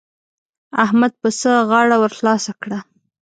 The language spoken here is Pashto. احمد پسه غاړه ور خلاصه کړه.